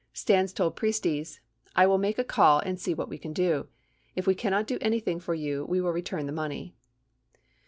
Stans told Priestes, "I will make a call and see what we can do. If we cannot do anything for you we will return the money."